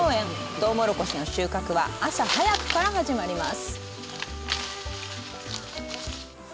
とうもろこしの収穫は朝早くから始まります